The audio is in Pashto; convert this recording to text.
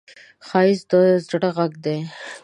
ښایست د زړه غږ دی